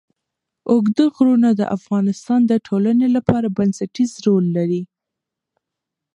اوږده غرونه د افغانستان د ټولنې لپاره بنسټيز رول لري.